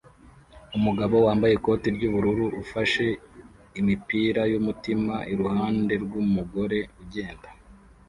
umugabo wambaye ikoti ry'uruhu ufashe imipira yumutima iruhande rwumugore ugenda